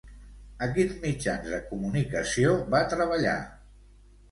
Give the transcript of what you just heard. A quins mitjans de comunicació va treballar?